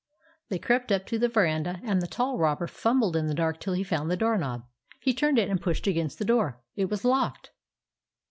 They crept up to the verandah, and the tall robber fumbled in the dark till he found the door knob. He turned it and pushed against the door. It was locked.